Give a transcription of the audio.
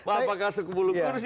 apakah sepuluh kursi atau lima kursi